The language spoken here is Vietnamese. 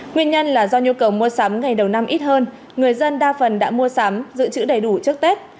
nguyên nhân là do nhu cầu mua sắm ngày đầu năm ít hơn người dân đa phần đã mua sắm giữ chữ đầy đủ trước tết